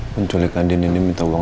penculik andini ini minta uang